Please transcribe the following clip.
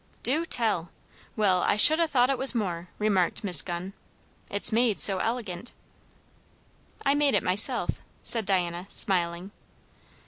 "Du tell! well I should ha' thought it was more," remarked Miss Gunn. "It's made so elegant." "I made it myself," said Diana, smiling.